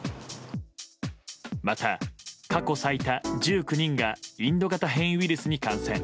また、過去最多１９人がインド型変異ウイルスに感染。